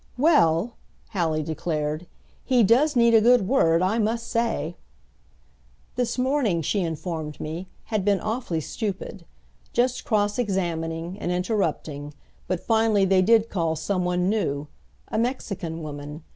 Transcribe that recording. "Well," Hallie declared, "he does need a good word, I must say!" This morning, she informed me, had been awfully stupid, just cross examining, and interrupting; but finally they did call some one new a Mexican woman.